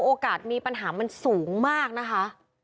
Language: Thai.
โอกาสมีปัญหามันสูงมากนะคะ